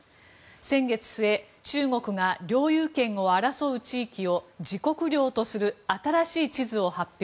先月末中国が領有権を争う地域を自国領とする新しい地図を発表。